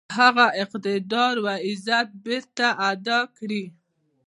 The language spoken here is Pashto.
هغه اقتدار او عزت بیرته اعاده کړي.